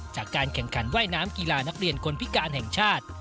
จากการแข่งขันว่ายน้ำกีฬานักเรียนคนพิการแห่งชาติ